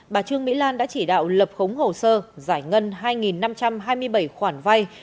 bà trương mỹ lan đã chỉ đạo lập khống hồ sơ giải ngân hai năm trăm hai mươi bảy khoản vay